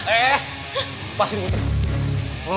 eh eh lepasin putri